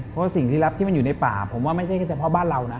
เพราะสิ่งที่รับที่มันอยู่ในป่าผมว่าไม่ใช่แค่เฉพาะบ้านเรานะ